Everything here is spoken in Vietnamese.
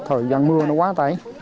thời gian mưa nó quá tấy